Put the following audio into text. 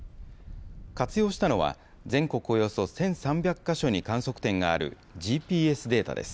活用したのは、全国およそ１３００か所に観測点があるＧＰＳデータです。